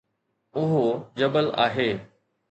اهو جبل آهي